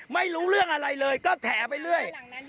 ไม่รู้เรื่องอะไรเลยก็แถไปเรื่อย